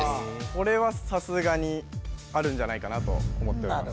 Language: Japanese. これはさすがにあるんじゃないかなと思っております